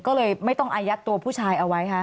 ก็เลยไม่ต้องอายัดตัวผู้ชายเอาไว้ค่ะ